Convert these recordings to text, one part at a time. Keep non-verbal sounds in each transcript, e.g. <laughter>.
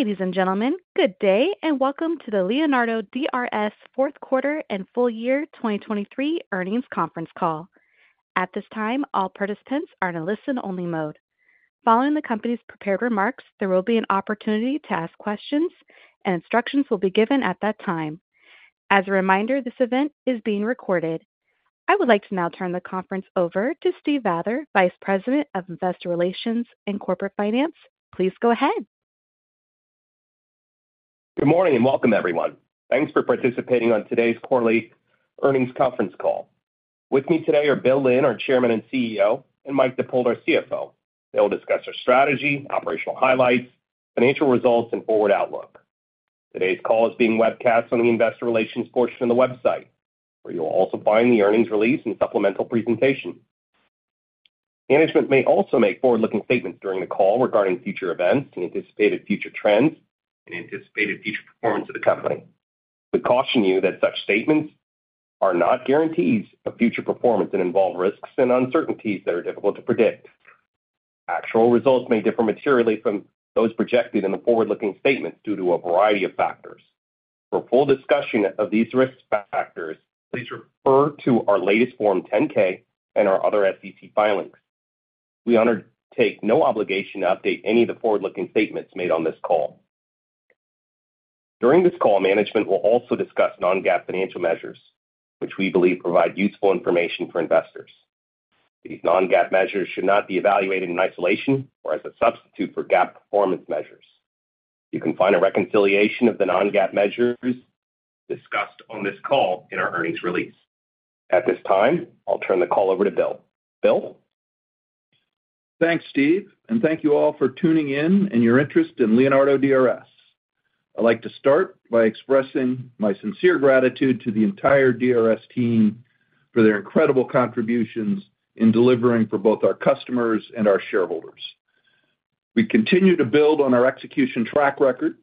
Ladies and gentlemen, good day, and welcome to the Leonardo DRS fourth quarter and full year 2023 earnings conference call. At this time, all participants are in a listen-only mode. Following the company's prepared remarks, there will be an opportunity to ask questions, and instructions will be given at that time. As a reminder, this event is being recorded. I would like to now turn the conference over to Steve Vather, Vice President of Investor Relations and Corporate Finance. Please go ahead. Good morning, and welcome, everyone. Thanks for participating on today's quarterly earnings conference call. With me today are Bill Lynn, our Chairman and CEO, and Mike Dippold, our CFO. They will discuss our strategy, operational highlights, financial results, and forward outlook. Today's call is being webcast on the investor relations portion of the website, where you'll also find the earnings release and supplemental presentation. Management may also make forward-looking statements during the call regarding future events and anticipated future trends and anticipated future performance of the company. We caution you that such statements are not guarantees of future performance and involve risks and uncertainties that are difficult to predict. Actual results may differ materially from those projected in the forward-looking statements due to a variety of factors. For full discussion of these risk factors, please refer to our latest Form 10-K and our other SEC filings. We undertake no obligation to update any of the forward-looking statements made on this call. During this call, management will also discuss non-GAAP financial measures, which we believe provide useful information for investors. These non-GAAP measures should not be evaluated in isolation or as a substitute for GAAP performance measures. You can find a reconciliation of the non-GAAP measures discussed on this call in our earnings release. At this time, I'll turn the call over to Bill. Bill? Thanks, Steve, and thank you all for tuning in and your interest in Leonardo DRS. I'd like to start by expressing my sincere gratitude to the entire DRS team for their incredible contributions in delivering for both our customers and our shareholders. We continue to build on our execution track record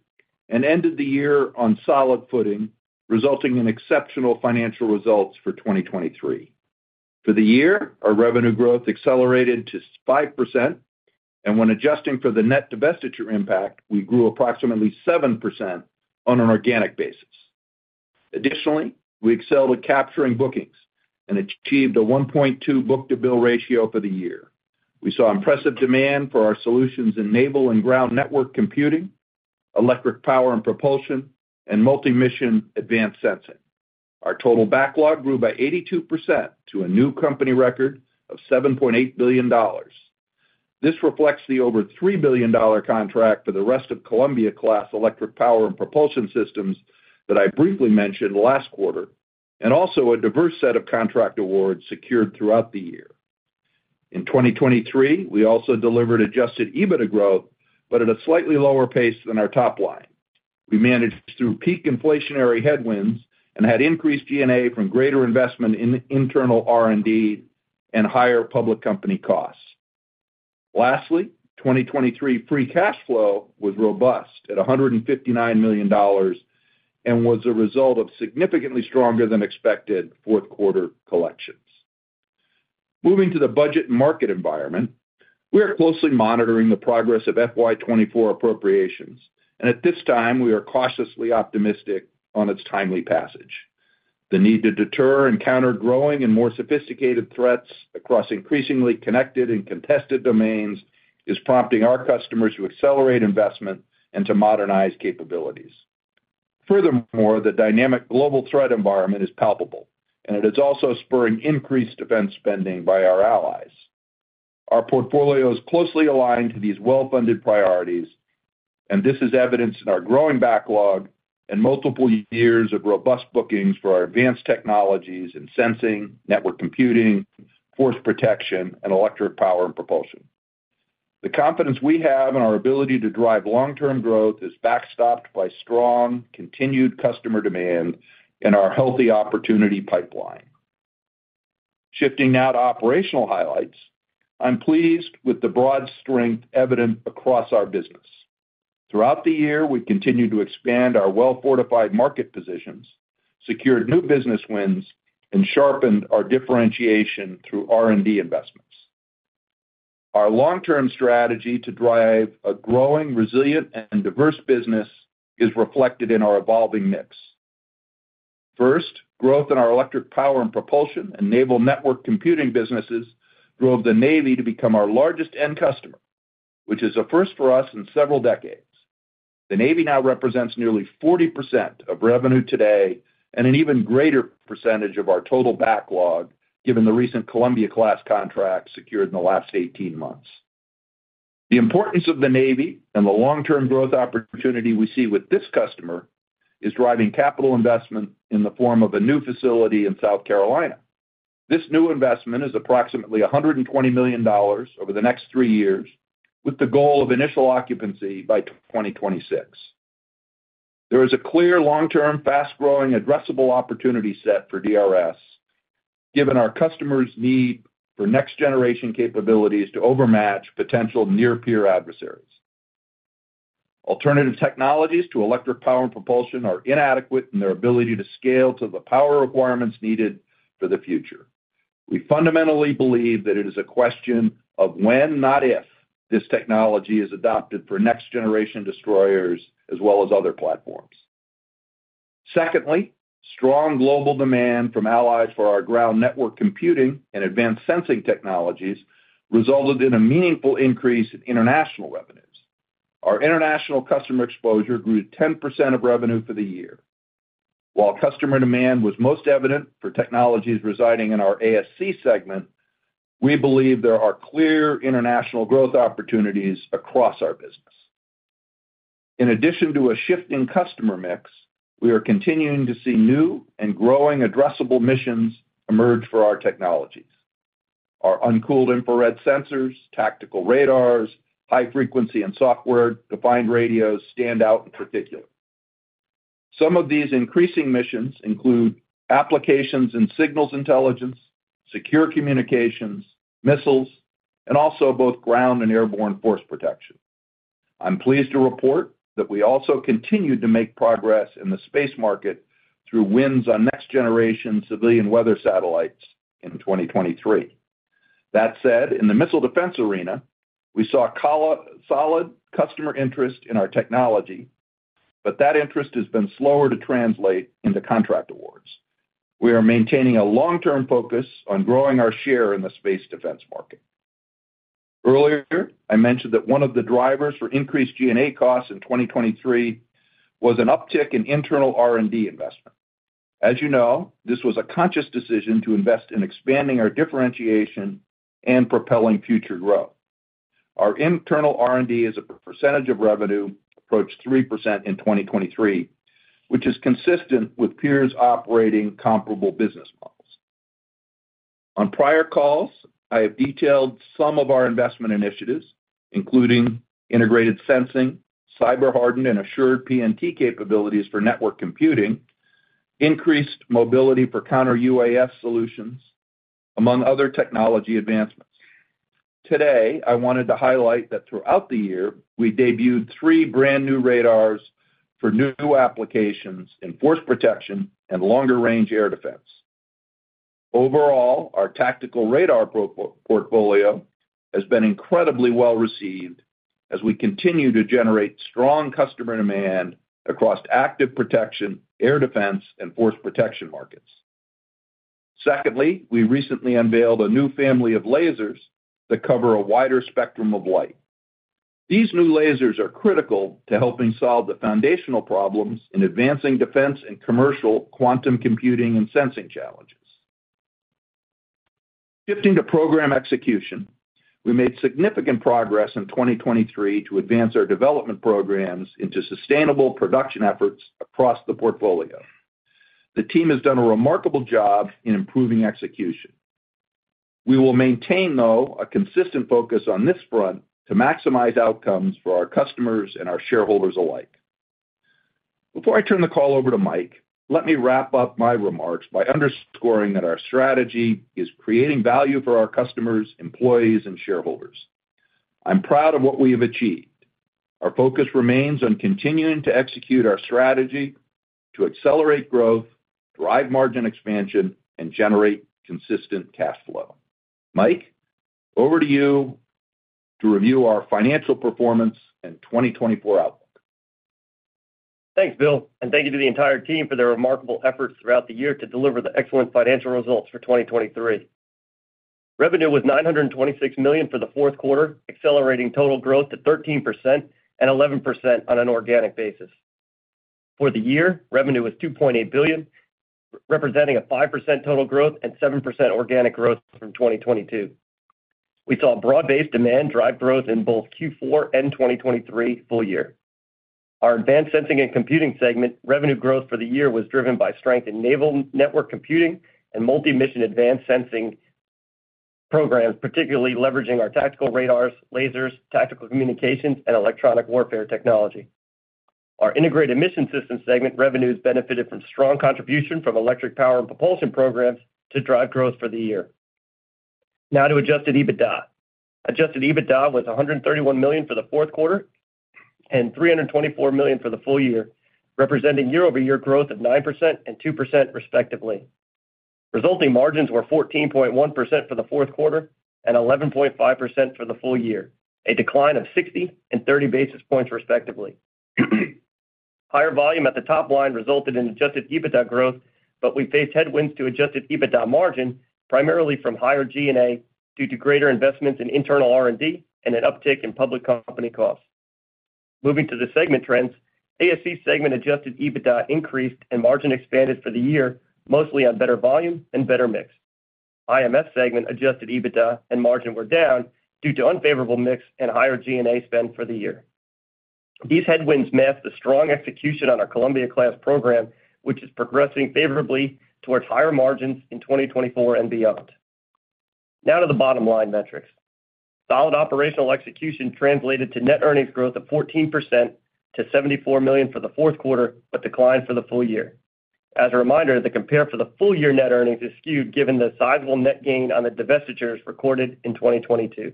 and ended the year on solid footing, resulting in exceptional financial results for 2023. For the year, our revenue growth accelerated to 5%, and when adjusting for the net divestiture impact, we grew approximately 7% on an organic basis. Additionally, we excelled at capturing bookings and achieved a 1.2 book-to-bill ratio for the year. We saw impressive demand for our solutions in naval and ground network computing, electric power and propulsion, and multi-mission advanced sensing. Our total backlog grew by 82% to a new company record of $7.8 billion. This reflects the over $3 billion contract for the rest of the Columbia-class electric power and propulsion systems that I briefly mentioned last quarter, and also a diverse set of contract awards secured throughout the year. In 2023, we also delivered Adjusted EBITDA growth, but at a slightly lower pace than our top line. We managed through peak inflationary headwinds and had increased G&A from greater investment in internal R&D and higher public company costs. Lastly, 2023 free cash flow was robust at $159 million and was a result of significantly stronger than expected fourth quarter collections. Moving to the budget market environment, we are closely monitoring the progress of FY 2024 appropriations, and at this time, we are cautiously optimistic on its timely passage. The need to deter and counter growing and more sophisticated threats across increasingly connected and contested domains is prompting our customers to accelerate investment and to modernize capabilities. Furthermore, the dynamic global threat environment is palpable, and it is also spurring increased defense spending by our allies. Our portfolio is closely aligned to these well-funded priorities, and this is evidenced in our growing backlog and multiple years of robust bookings for our advanced technologies in sensing, network computing, force protection, and electric power and propulsion. The confidence we have in our ability to drive long-term growth is backstopped by strong, continued customer demand and our healthy opportunity pipeline. Shifting now to operational highlights, I'm pleased with the broad strength evident across our business. Throughout the year, we continued to expand our well-fortified market positions, secured new business wins, and sharpened our differentiation through R&D investments. Our long-term strategy to drive a growing, resilient, and diverse business is reflected in our evolving mix. First, growth in our electric power and propulsion and naval network computing businesses drove the Navy to become our largest end customer, which is a first for us in several decades. The Navy now represents nearly 40% of revenue today and an even greater percentage of our total backlog, given the recent Columbia-class contract secured in the last 18 months. The importance of the Navy and the long-term growth opportunity we see with this customer is driving capital investment in the form of a new facility in South Carolina. This new investment is approximately $120 million over the next three years, with the goal of initial occupancy by 2026. There is a clear, long-term, fast-growing, addressable opportunity set for DRS, given our customers' need for next-generation capabilities to overmatch potential near peer adversaries. Alternative technologies to electric power and propulsion are inadequate in their ability to scale to the power requirements needed for the future.... We fundamentally believe that it is a question of when, not if, this technology is adopted for next-generation destroyers as well as other platforms. Secondly, strong global demand from allies for our ground network computing and advanced sensing technologies resulted in a meaningful increase in international revenues. Our international customer exposure grew to 10% of revenue for the year. While customer demand was most evident for technologies residing in our ASC segment, we believe there are clear international growth opportunities across our business. In addition to a shift in customer mix, we are continuing to see new and growing addressable missions emerge for our technologies. Our uncooled infrared sensors, tactical radars, high frequency, and software-defined radios stand out in particular. Some of these increasing missions include applications in signals intelligence, secure communications, missiles, and also both ground and airborne force protection. I'm pleased to report that we also continued to make progress in the space market through wins on next-generation civilian weather satellites in 2023. That said, in the missile defense arena, we saw solid customer interest in our technology, but that interest has been slower to translate into contract awards. We are maintaining a long-term focus on growing our share in the space defense market. Earlier, I mentioned that one of the drivers for increased G&A costs in 2023 was an uptick in internal R&D investment. As you know, this was a conscious decision to invest in expanding our differentiation and propelling future growth. Our internal R&D as a percentage of revenue approached 3% in 2023, which is consistent with peers operating comparable business models. On prior calls, I have detailed some of our investment initiatives, including integrated sensing, cyber-hardened and assured PNT capabilities for network computing, increased mobility for counter UAS solutions, among other technology advancements. Today, I wanted to highlight that throughout the year, we debuted three brand-new radars for new applications in force protection and longer-range air defense. Overall, our tactical radar portfolio has been incredibly well-received as we continue to generate strong customer demand across active protection, air defense, and force protection markets. Secondly, we recently unveiled a new family of lasers that cover a wider spectrum of light. These new lasers are critical to helping solve the foundational problems in advancing defense and commercial quantum computing and sensing challenges. Shifting to program execution, we made significant progress in 2023 to advance our development programs into sustainable production efforts across the portfolio. The team has done a remarkable job in improving execution. We will maintain, though, a consistent focus on this front to maximize outcomes for our customers and our shareholders alike. Before I turn the call over to Mike, let me wrap up my remarks by underscoring that our strategy is creating value for our customers, employees, and shareholders. I'm proud of what we have achieved. Our focus remains on continuing to execute our strategy to accelerate growth, drive margin expansion, and generate consistent cash flow. Mike, over to you to review our financial performance in 2024 outlook. Thanks, Bill, and thank you to the entire team for their remarkable efforts throughout the year to deliver the excellent financial results for 2023. Revenue was $926 million for the fourth quarter, accelerating total growth to 13% and 11% on an organic basis. For the year, revenue was $2.8 billion, representing a 5% total growth and 7% organic growth from 2022. We saw broad-based demand drive growth in both Q4 and 2023 full year. Our advanced sensing and computing segment revenue growth for the year was driven by strength in naval network computing and multi-mission advanced sensing programs, particularly leveraging our tactical radars, lasers, tactical communications, and electronic warfare technology. Our Integrated Mission Systems segment revenues benefited from strong contribution from electric power and propulsion programs to drive growth for the year. Now to Adjusted EBITDA. Adjusted EBITDA was $131 million for the fourth quarter and $324 million for the full year, representing year-over-year growth of 9% and 2% respectively. Resulting margins were 14.1% for the fourth quarter and 11.5% for the full year, a decline of 60 and 30 basis points, respectively. Higher volume at the top line resulted in Adjusted EBITDA growth, but we faced headwinds to Adjusted EBITDA margin, primarily from higher G&A due to greater investments in internal R&D and an uptick in public company costs. Moving to the segment trends, ASC segment Adjusted EBITDA increased and margin expanded for the year, mostly on better volume and better mix. IMS segment Adjusted EBITDA and margin were down due to unfavorable mix and higher G&A spend for the year. These headwinds mask the strong execution on our Columbia-class program, which is progressing favorably towards higher margins in 2024 and beyond. Now to the bottom-line metrics. Solid operational execution translated to net earnings growth of 14% to $74 million for the fourth quarter, but declined for the full year. As a reminder, the compare for the full year net earnings is skewed given the sizable net gain on the divestitures recorded in 2022.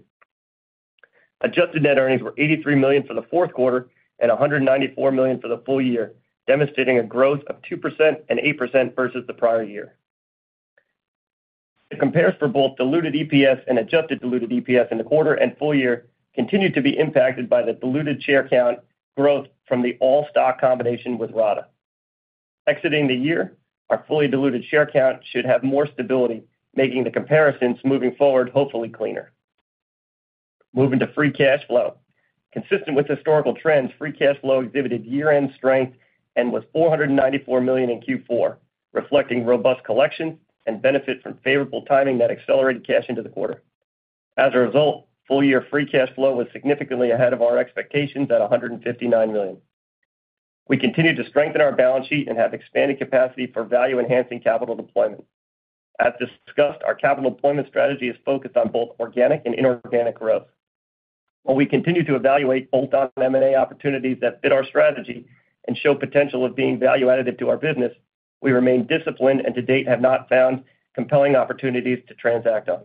Adjusted net earnings were $83 million for the fourth quarter and $194 million for the full year, demonstrating a growth of 2% and 8% versus the prior year. The compares for both diluted EPS and Adjusted Diluted EPS in the quarter and full year continued to be impacted by the diluted share count growth from the all-stock combination with RADA. Exiting the year, our fully diluted share count should have more stability, making the comparisons moving forward, hopefully cleaner. Moving to free cash flow. Consistent with historical trends, free cash flow exhibited year-end strength and was $494 million in Q4, reflecting robust collection and benefit from favorable timing that accelerated cash into the quarter. As a result, full-year free cash flow was significantly ahead of our expectations at $159 million. We continued to strengthen our balance sheet and have expanded capacity for value-enhancing capital deployment. As discussed, our capital deployment strategy is focused on both organic and inorganic growth. While we continue to evaluate bolt-on M&A opportunities that fit our strategy and show potential of being value additive to our business, we remain disciplined and to date, have not found compelling opportunities to transact on.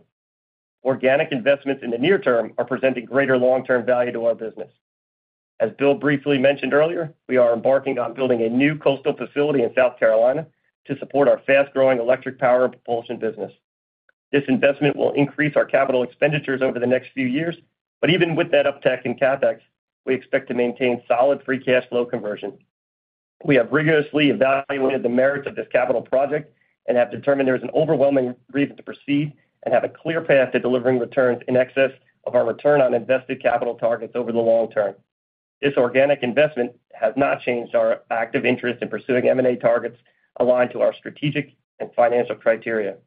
Organic investments in the near term are presenting greater long-term value to our business. As Bill briefly mentioned earlier, we are embarking on building a new coastal facility in South Carolina to support our fast-growing electric power and propulsion business. This investment will increase our capital expenditures over the next few years, but even with that uptick in CapEx, we expect to maintain solid free cash flow conversion. We have rigorously evaluated the merits of this capital project and have determined there is an overwhelming reason to proceed and have a clear path to delivering returns in excess of our return on invested capital targets over the long term. This organic investment has not changed our active interest in pursuing M&A targets aligned to our strategic and financial criteria.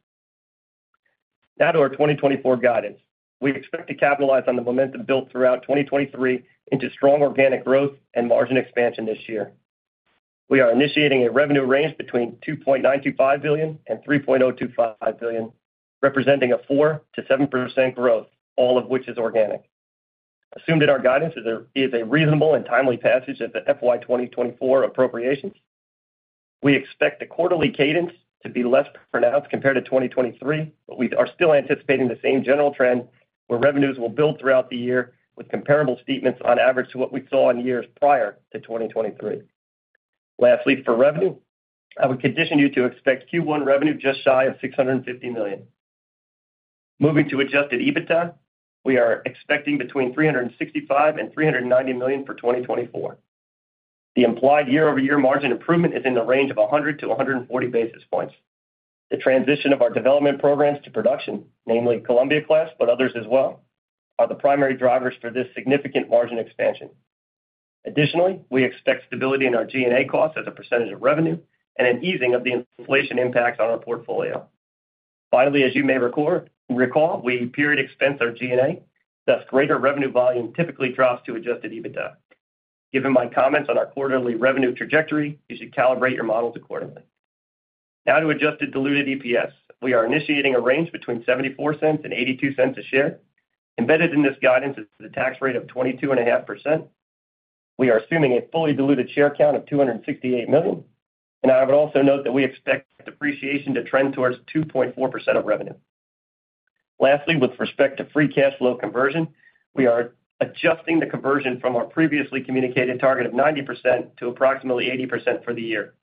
Now to our 2024 guidance. We expect to capitalize on the momentum built throughout 2023 into strong organic growth and margin expansion this year. We are initiating a revenue range between $2.925 billion and $3.25 billion, representing a 4%-7% growth, all of which is organic. Assumed that our guidance is a reasonable and timely passage of the FY 2024 appropriations. We expect the quarterly cadence to be less pronounced compared to 2023, but we are still anticipating the same general trend, where revenues will build throughout the year with comparable statements on average to what we saw in years prior to 2023. Lastly, for revenue, I would condition you to expect Q1 revenue just shy of $650 million. Moving to Adjusted EBITDA, we are expecting between $365 million and $390 million for 2024. The implied year-over-year margin improvement is in the range of 100 basis points-140 basis points. The transition of our development programs to production, namely Columbia-class, but others as well, are the primary drivers for this significant margin expansion. Additionally, we expect stability in our G&A costs as a percentage of revenue and an easing of the inflation impact on our portfolio. Finally, as you may recall, we period expense our G&A, thus, greater revenue volume typically drops to Adjusted EBITDA. Given my comments on our quarterly revenue trajectory, you should calibrate your models accordingly. Now to Adjusted Diluted EPS. We are initiating a range between $0.74 and $0.82 a share. Embedded in this guidance is the tax rate of 22.5%. We are assuming a fully diluted share count of 268 million, and I would also note that we expect depreciation to trend towards 2.4% of revenue. Lastly, with respect to free cash flow conversion, we are adjusting the conversion from our previously communicated target of 90% to approximately 80% for the year.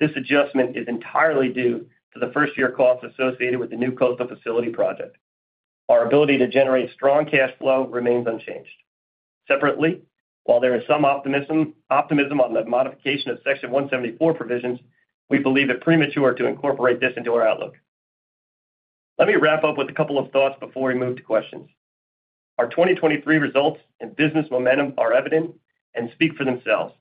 This adjustment is entirely due to the first-year costs associated with the new coastal facility project. Our ability to generate strong cash flow remains unchanged. Separately, while there is some optimism, optimism on the modification of Section 174 provisions, we believe it premature to incorporate this into our outlook. Let me wrap up with a couple of thoughts before we move to questions. Our 2023 results and business momentum are evident and speak for themselves.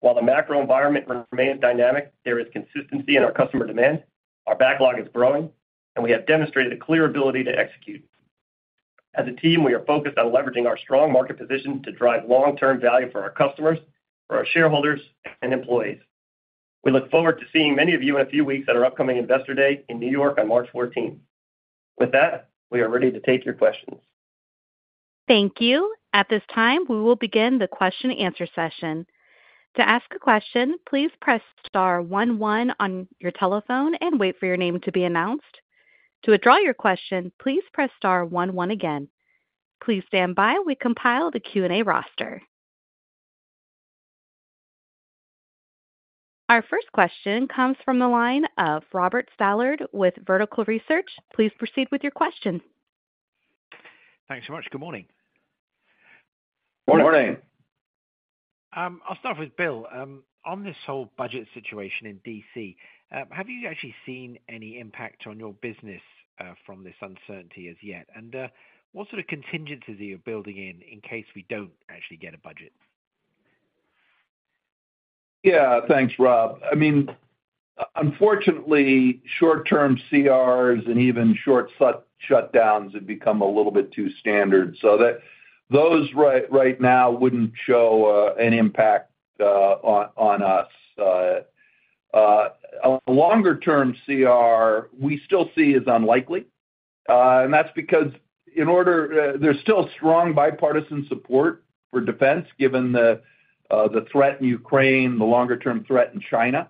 While the macro environment remains dynamic, there is consistency in our customer demand, our backlog is growing, and we have demonstrated a clear ability to execute. As a team, we are focused on leveraging our strong market position to drive long-term value for our customers, for our shareholders, and employees. We look forward to seeing many of you in a few weeks at our upcoming Investor Day in New York on March 14th. With that, we are ready to take your questions. Thank you. At this time, we will begin the question and answer session. To ask a question, please press star one one on your telephone and wait for your name to be announced. To withdraw your question, please press star one one again. Please stand by, we compile the Q&A roster. Our first question comes from the line of Robert Stallard with Vertical Research. Please proceed with your question. Thanks so much. Good morning. <crosstalk> I'll start with Bill. On this whole budget situation in D.C., have you actually seen any impact on your business from this uncertainty as yet? And, what sort of contingencies are you building in, in case we don't actually get a budget? Yeah, thanks, Rob. I mean, unfortunately, short-term CRs and even short shutdowns have become a little bit too standard, so that those right, right now wouldn't show an impact on us. On a longer-term CR, we still see is unlikely, and that's because in order, there's still strong bipartisan support for defense, given the threat in Ukraine, the longer-term threat in China.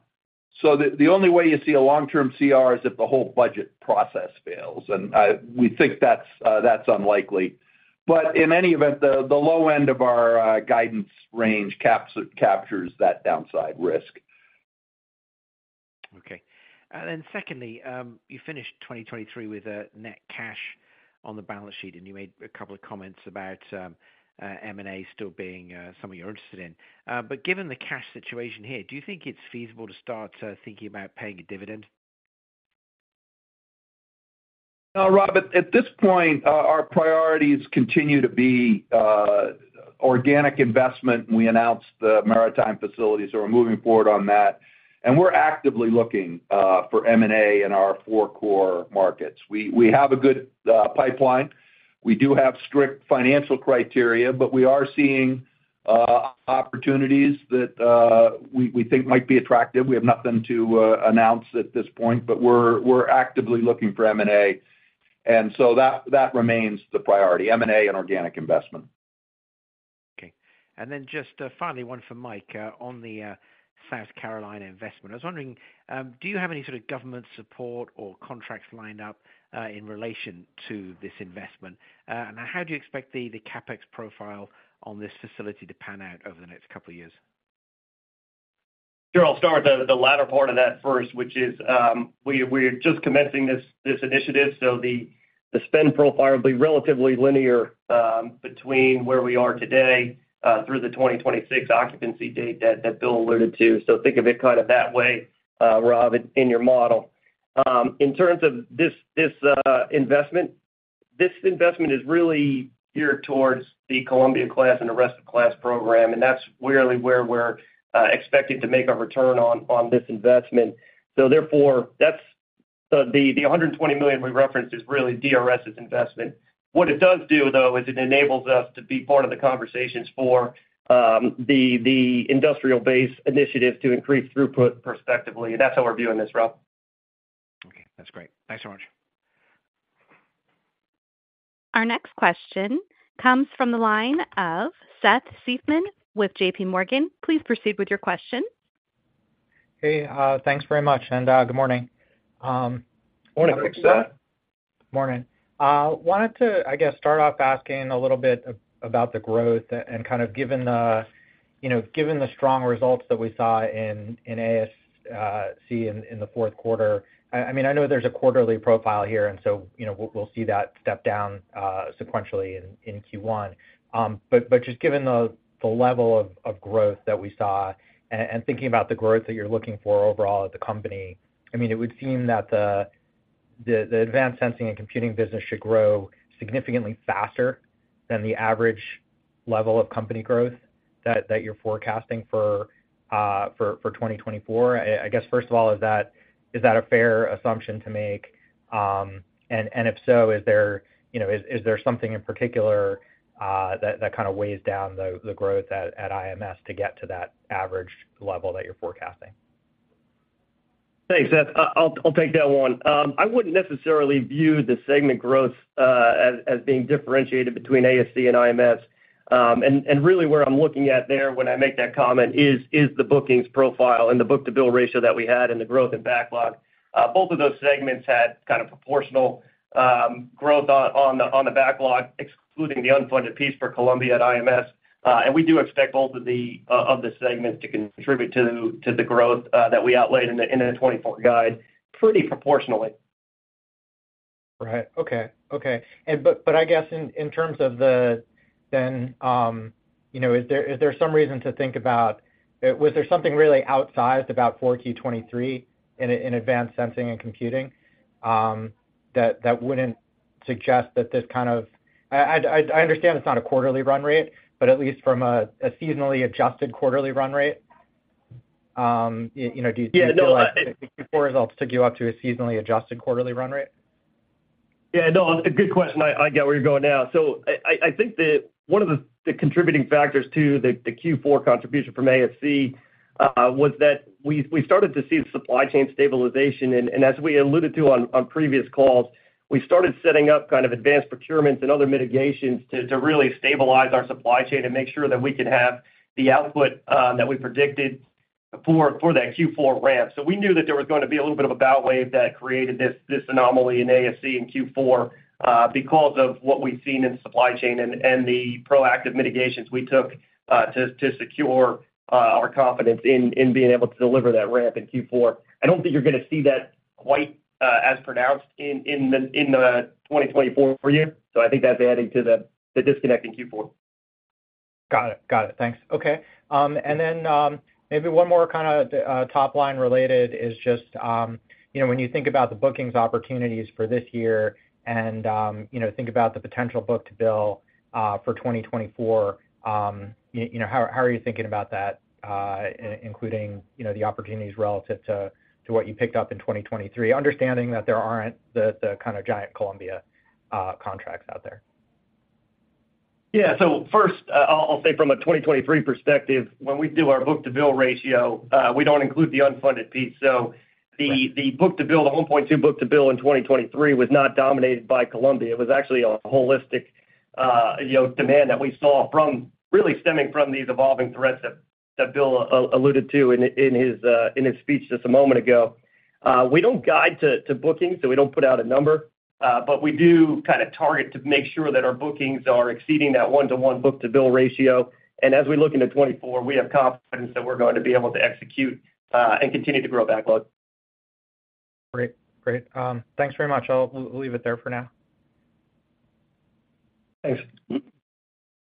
So the only way you see a long-term CR is if the whole budget process fails, and we think that's unlikely. But in any event, the low end of our guidance range captures that downside risk. Okay. And then secondly, you finished 2023 with a net cash on the balance sheet, and you made a couple of comments about M&A still being something you're interested in. But given the cash situation here, do you think it's feasible to start thinking about paying a dividend? No, Rob, at this point, our priorities continue to be organic investment. We announced the maritime facilities, so we're moving forward on that, and we're actively looking for M&A in our four core markets. We have a good pipeline. We do have strict financial criteria, but we are seeing opportunities that we think might be attractive. We have nothing to announce at this point, but we're actively looking for M&A, and so that remains the priority, M&A and organic investment. Okay. And then just finally, one for Mike, on the South Carolina investment. I was wondering, do you have any sort of government support or contracts lined up, in relation to this investment? And how do you expect the CapEx profile on this facility to pan out over the next couple of years? Sure. I'll start with the latter part of that first, which is, we're just commencing this initiative, so the spend profile will be relatively linear, between where we are today, through the 2026 occupancy date that Bill alluded to. So think of it kind of that way, Rob, in your model. In terms of this investment, this investment is really geared towards the Columbia-class and the Rest-of-Class program, and that's really where we're expecting to make our return on this investment. So therefore, that's the $120 million we referenced is really DRS's investment. What it does do, though, is it enables us to be part of the conversations for the industrial base initiative to increase throughput prospectively, and that's how we're viewing this, Rob. Okay. That's great. Thanks so much. Our next question comes from the line of Seth Seifman with JPMorgan. Please proceed with your question. Hey, thanks very much, and, good morning. Morning, Seth. Morning. Wanted to, I guess, start off asking a little bit about the growth and kind of given the, you know, given the strong results that we saw in ASC in the fourth quarter. I mean, I know there's a quarterly profile here, and so, you know, we'll see that step down sequentially in Q1. But just given the level of growth that we saw and thinking about the growth that you're looking for overall at the company, I mean, it would seem that the advanced sensing and computing business should grow significantly faster than the average level of company growth that you're forecasting for 2024. I guess, first of all, is that a fair assumption to make? And if so, is there, you know, is there something in particular that kind of weighs down the growth at IMS to get to that average level that you're forecasting? Thanks, Seth. I'll take that one. I wouldn't necessarily view the segment growth as being differentiated between ASC and IMS. And really where I'm looking at there when I make that comment is the bookings profile and the book-to-bill ratio that we had and the growth in backlog. Both of those segments had kind of proportional growth on the backlog, excluding the unfunded piece for Columbia at IMS. And we do expect both of the segments to contribute to the growth that we outlaid in the 2024 guide pretty proportionally. Right. Okay, okay. And but, but I guess in, in terms of the then, you know, is there, is there some reason to think about, was there something really outsized about 4Q 2023 in, in advanced sensing and computing, that, that wouldn't suggest that this kind of... I understand it's not a quarterly run rate, but at least from a, a seasonally adjusted quarterly run rate, you know, do you- Yeah, no. The Q4 results took you up to a seasonally adjusted quarterly run rate? Yeah, no, a good question. I get where you're going now. So I think that one of the contributing factors to the Q4 contribution from ASC was that we started to see supply chain stabilization. And as we alluded to on previous calls, we started setting up kind of advanced procurements and other mitigations to really stabilize our supply chain and make sure that we could have the output that we predicted for that Q4 ramp. So we knew that there was going to be a little bit of a bow wave that created this anomaly in ASC in Q4 because of what we've seen in supply chain and the proactive mitigations we took to secure our confidence in being able to deliver that ramp in Q4. I don't think you're going to see that quite as pronounced in the 2024 full year. So I think that's adding to the disconnect in Q4. Got it. Got it. Thanks. Okay, and then, maybe one more kind of, top line related is just, you know, when you think about the bookings opportunities for this year and, you know, think about the potential book-to-bill, for 2024, you know, how, how are you thinking about that, including, you know, the opportunities relative to, to what you picked up in 2023? Understanding that there aren't the, the kind of giant Columbia, contracts out there. Yeah. So first, I'll say from a 2023 perspective, when we do our book-to-bill ratio, we don't include the unfunded piece, so the book-to-bill, the 1.2 book-to-bill in 2023 was not dominated by Columbia. It was actually a holistic, you know, demand that we saw from, really stemming from these evolving threats that Bill alluded to in his speech just a moment ago. We don't guide to bookings, so we don't put out a number, but we do kind of target to make sure that our bookings are exceeding that 1:1 book-to-bill ratio. And as we look into 2024, we have confidence that we're going to be able to execute and continue to grow backlog. Great. Great. Thanks very much. I'll leave it there for now. Thanks.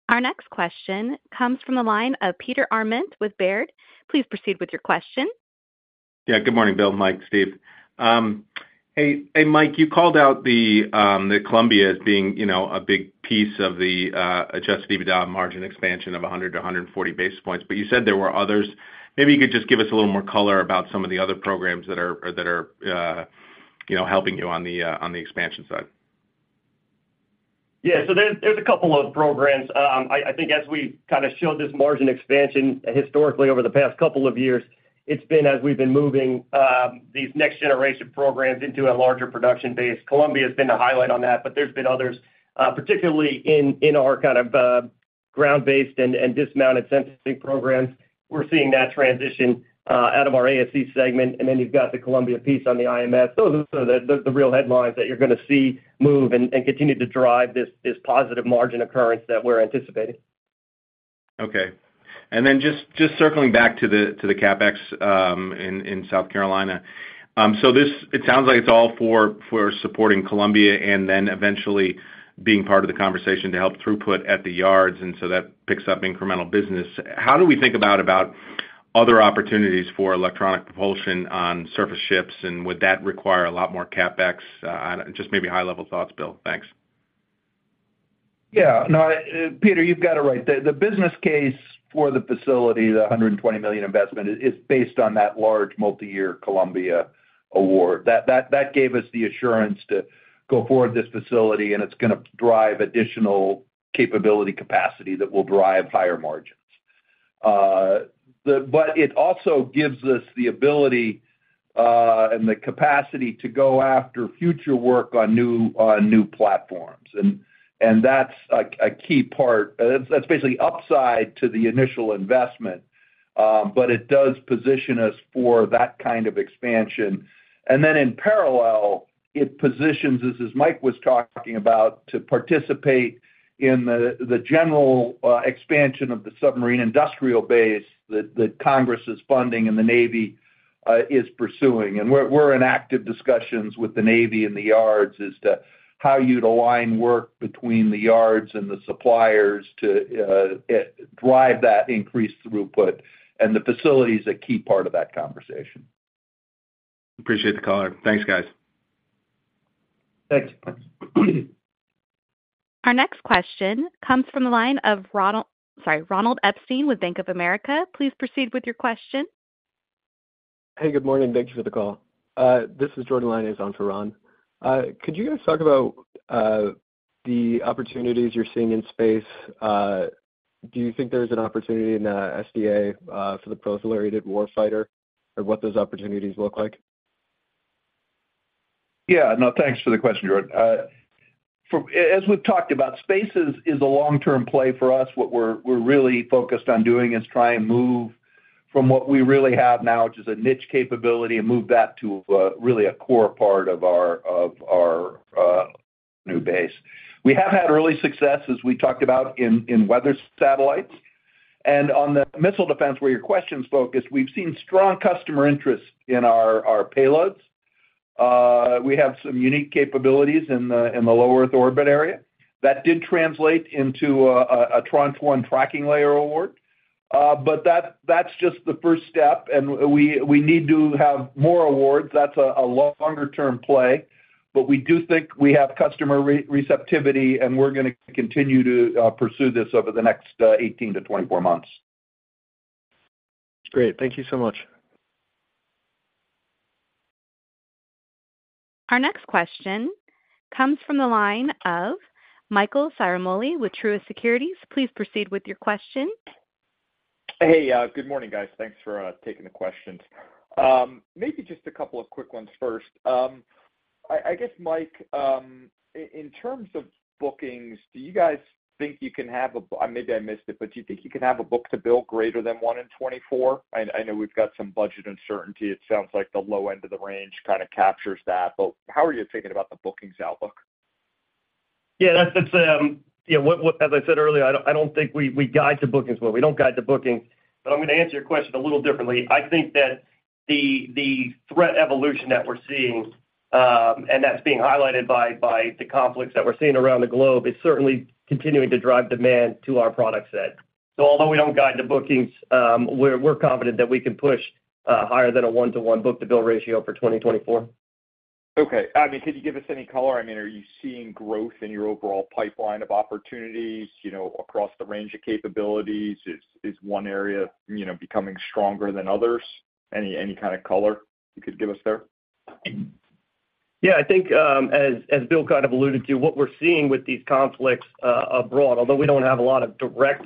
Our next question comes from the line of Peter Arment with Baird. Please proceed with your question. Yeah, good morning, Bill, Mike, Steve. Hey, hey, Mike, you called out the, the Columbia as being, you know, a big piece of the, Adjusted EBITDA margin expansion of 100 basis points-140 basis points, but you said there were others. Maybe you could just give us a little more color about some of the other programs that are, or that are, you know, helping you on the, on the expansion side. Yeah. So there's a couple of programs. I think as we kind of showed this margin expansion historically over the past couple of years, it's been as we've been moving these next-generation programs into a larger production base. Columbia has been the highlight on that, but there's been others, particularly in our kind of ground-based and dismounted sensing programs. We're seeing that transition out of our ASC segment, and then you've got the Columbia piece on the IMS. Those are the real headlines that you're gonna see move and continue to drive this positive margin occurrence that we're anticipating. Okay. And then just circling back to the CapEx in South Carolina. So, this—it sounds like it's all for supporting Columbia and then eventually being part of the conversation to help throughput at the yards, and so that picks up incremental business. How do we think about other opportunities for electronic propulsion on surface ships, and would that require a lot more CapEx? And just maybe high-level thoughts, Bill. Thanks. Yeah. No, Peter, you've got it right. The business case for the facility, the $120 million investment, is based on that large multiyear Columbia award. That gave us the assurance to go forward with this facility, and it's gonna drive additional capability, capacity that will drive higher margins. But it also gives us the ability and the capacity to go after future work on new platforms. And that's a key part. That's basically upside to the initial investment, but it does position us for that kind of expansion. And then in parallel, it positions us, as Mike was talking about, to participate in the general expansion of the submarine industrial base that Congress is funding and the Navy is pursuing. We're in active discussions with the Navy and the yards as to how you'd align work between the yards and the suppliers to drive that increased throughput, and the facility is a key part of that conversation. Appreciate the color. Thanks, guys. Thanks. Our next question comes from the line of Ronald... Sorry, Ronald Epstein with Bank of America. Please proceed with your question. Hey, good morning. Thank you for the call. This is Jordan Lyonnais on for Ron. Could you guys talk about the opportunities you're seeing in space? Do you think there's an opportunity in SDA for the Proliferated Warfighter, and what those opportunities look like? Yeah, no, thanks for the question, Jordan. For as we've talked about, space is a long-term play for us. What we're really focused on doing is try and move from what we really have now, which is a niche capability, and move that to really a core part of our new base. We have had early success, as we talked about in weather satellites. And on the missile defense, where your question's focused, we've seen strong customer interest in our payloads. We have some unique capabilities in the low Earth orbit area. That did translate into a Tranche 1 Tracking Layer award. But that's just the first step, and we need to have more awards. That's a longer-term play. We do think we have customer receptivity, and we're gonna continue to pursue this over the next 18-24 months. Great. Thank you so much. Our next question comes from the line of Michael Ciarmoli with Truist Securities. Please proceed with your question. Hey, good morning, guys. Thanks for taking the questions. Maybe just a couple of quick ones first. I guess, Mike, in terms of bookings, do you guys think you can have maybe I missed it, but do you think you can have a book-to-bill greater than 1 in 2024? I know we've got some budget uncertainty. It sounds like the low end of the range kind of captures that, but how are you thinking about the bookings outlook? Yeah, that's it, as I said earlier, I don't think we guide to bookings. Well, we don't guide to bookings, but I'm gonna answer your question a little differently. I think that the threat evolution that we're seeing, and that's being highlighted by the conflicts that we're seeing around the globe, is certainly continuing to drive demand to our product set. So although we don't guide the bookings, we're confident that we can push higher than a 1-to-1 book-to-bill ratio for 2024. Okay. I mean, could you give us any color? I mean, are you seeing growth in your overall pipeline of opportunities, you know, across the range of capabilities? Is one area, you know, becoming stronger than others? Any kind of color you could give us there?... Yeah, I think, as Bill kind of alluded to, what we're seeing with these conflicts abroad, although we don't have a lot of direct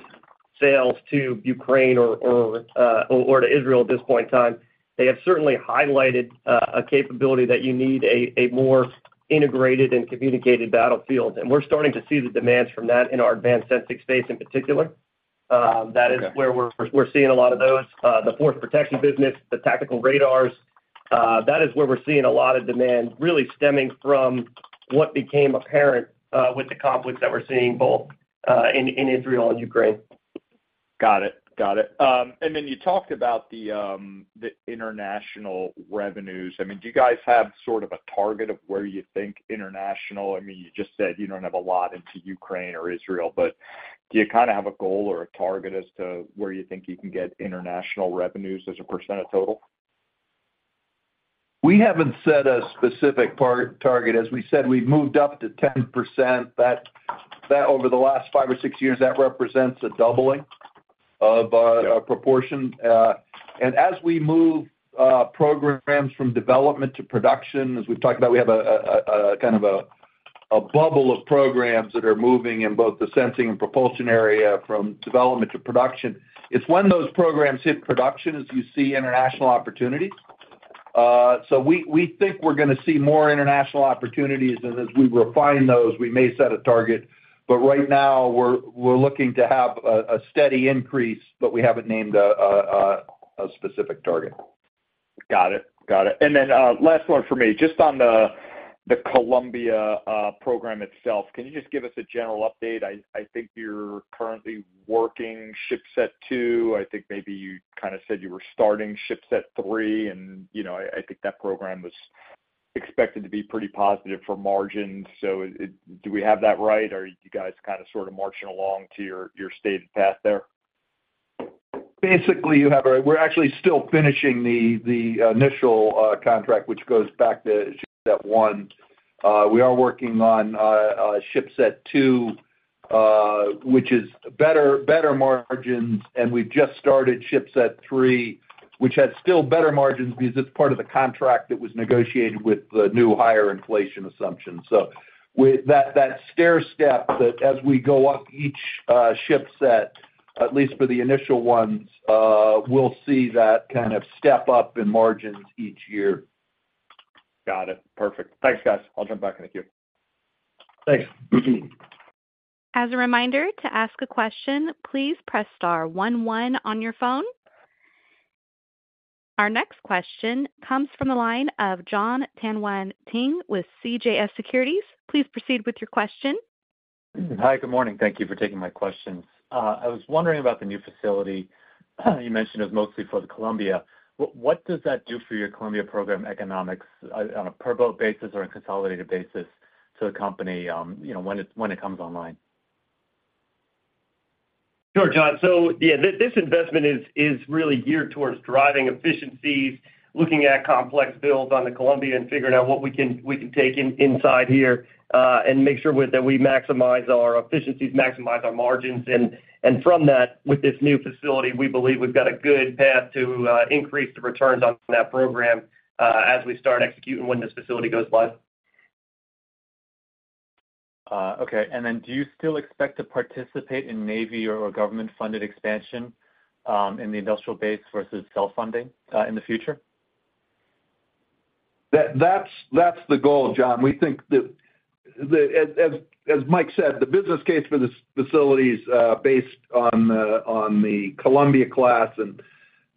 sales to Ukraine or to Israel at this point in time, they have certainly highlighted a capability that you need, a more integrated and communicated battlefield. And we're starting to see the demands from that in our advanced sensing space, in particular. That is where we're seeing a lot of those. The force protection business, the tactical radars, that is where we're seeing a lot of demand, really stemming from what became apparent with the conflicts that we're seeing, both in Israel and Ukraine. Got it. Got it. And then you talked about the international revenues. I mean, do you guys have sort of a target of where you think international—I mean, you just said you don't have a lot into Ukraine or Israel, but do you kind of have a goal or a target as to where you think you can get international revenues as a percent of total? We haven't set a specific target. As we said, we've moved up to 10%. That over the last five or six years represents a doubling of a proportion. And as we move programs from development to production, as we've talked about, we have a kind of a bubble of programs that are moving in both the sensing and propulsion area from development to production. It's when those programs hit production, as you see international opportunities. So we think we're gonna see more international opportunities, and as we refine those, we may set a target, but right now, we're looking to have a steady increase, but we haven't named a specific target. Got it. Got it. And then, last one for me. Just on the Columbia program itself, can you just give us a general update? I think you're currently working ship set two. I think maybe you kind of said you were starting ship set three, and, you know, I think that program was expected to be pretty positive for margins. So it, do we have that right? Are you guys kind of, sort of marching along to your stated path there? Basically, you have it. We're actually still finishing the initial contract, which goes back to ship set one. We are working on ship set two, which is better margins, and we've just started ship set three, which has still better margins because it's part of the contract that was negotiated with the new higher inflation assumptions. So with that stairstep, as we go up each ship set, at least for the initial ones, we'll see that kind of step up in margins each year. Got it. Perfect. Thanks, guys. I'll jump back in the queue. Thanks. As a reminder, to ask a question, please press star one, one on your phone. Our next question comes from the line of Jon Tanwanteng with CJS Securities. Please proceed with your question. Hi, good morning. Thank you for taking my questions. I was wondering about the new facility. You mentioned it was mostly for the Columbia. What does that do for your Columbia program economics on a per boat basis or a consolidated basis to the company, you know, when it comes online? Sure, Jon. So yeah, this, this investment is, is really geared toward driving efficiencies, looking at complex builds on the Columbia, and figuring out what we can, we can take inside here, and make sure with that we maximize our efficiencies, maximize our margins. And from that, with this new facility, we believe we've got a good path to increase the returns on that program, as we start executing when this facility goes live. Okay. And then, do you still expect to participate in Navy or government-funded expansion, in the industrial base versus self-funding, in the future? That's the goal, Jon. We think that the—as Mike said, the business case for this facility is based on the Columbia-class, and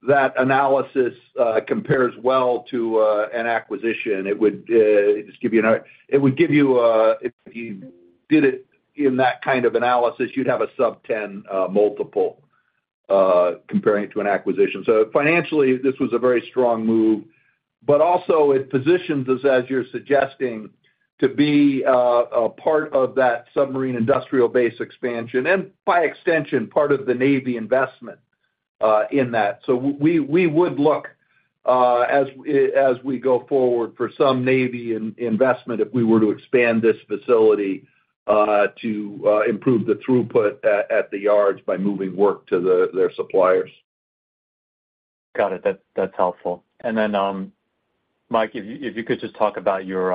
that analysis compares well to an acquisition. It would just give you an idea. It would give you, if you did it in that kind of analysis, you'd have a sub-10 multiple comparing it to an acquisition. So financially, this was a very strong move, but also it positions us, as you're suggesting, to be a part of that submarine industrial base expansion, and by extension, part of the Navy investment in that. So we would look, as we go forward, for some Navy investment if we were to expand this facility to improve the throughput at the yards by moving work to their suppliers. Got it. That's, that's helpful. And then, Mike, if you could just talk about your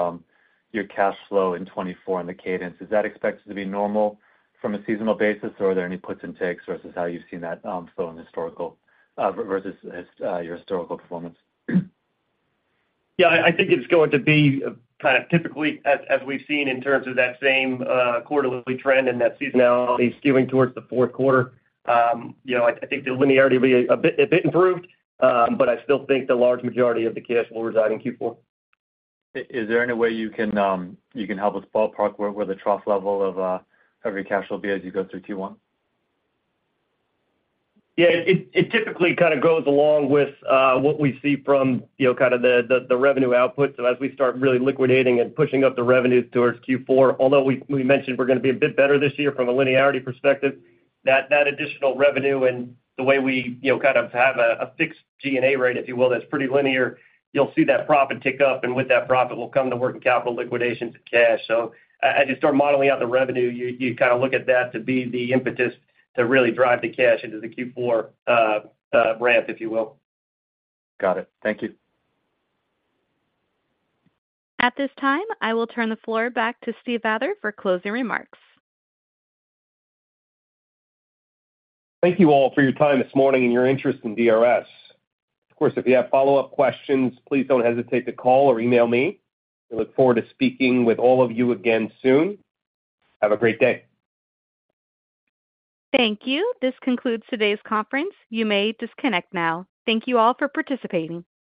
cash flow in 2024 and the cadence. Is that expected to be normal from a seasonal basis, or are there any puts and takes versus how you've seen that flow in historical versus your historical performance? Yeah, I think it's going to be kind of typically as we've seen in terms of that same quarterly trend and that seasonality skewing towards the fourth quarter. You know, I think the linearity will be a bit improved, but I still think the large majority of the cash will reside in Q4. Is there any way you can help us ballpark where the trough level of free cash will be as you go through Q1? Yeah, it typically kind of goes along with what we see from, you know, kind of the revenue output. So as we start really liquidating and pushing up the revenues towards Q4, although we mentioned we're gonna be a bit better this year from a linearity perspective, that additional revenue and the way we, you know, kind of have a fixed G&A rate, if you will, that's pretty linear, you'll see that profit tick up, and with that profit will come the working capital liquidations of cash. So as you start modeling out the revenue, you kind of look at that to be the impetus to really drive the cash into the Q4 ramp, if you will. Got it. Thank you. At this time, I will turn the floor back to Steve Vather for closing remarks. Thank you all for your time this morning and your interest in DRS. Of course, if you have follow-up questions, please don't hesitate to call or email me. I look forward to speaking with all of you again soon. Have a great day. Thank you. This concludes today's conference. You may disconnect now. Thank you all for participating.